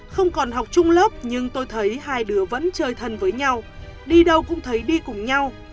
không còn học chung lớp nhưng tôi thấy hai đứa vẫn chơi thân với nhau đi đâu cũng thấy đi cùng nhau